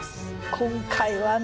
今回はね